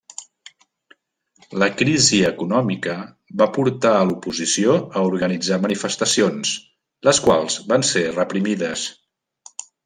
La crisi econòmica va portar a l'oposició a organitzar manifestacions, les quals van ser reprimides.